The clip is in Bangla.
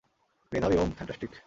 মেধাবি ওম, ফ্যান্টাস্টিক।